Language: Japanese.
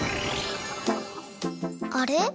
あれ？